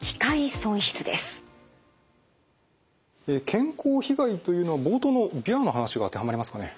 健康被害というのは冒頭のビワの話が当てはまりますかね？